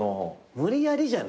無理やりじゃない？